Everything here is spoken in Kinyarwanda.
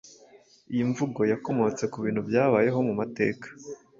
Iyi mvugo yakomotse ku bintu byabayeho mu mateka